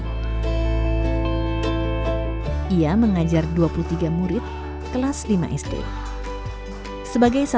sebagai salah satu teman amin menjadi guru honorer di sekolah dasar negeri setiajaya dua cabang bungin kabupaten bekasi